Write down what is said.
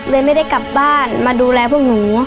เลยไม่ได้กลับบ้านมาดูแลพวกหนู